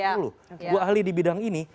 dua ahli di bidang ini